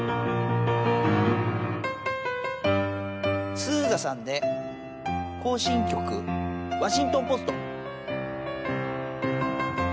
スーザさんで、行進曲ワシントン・ポスト。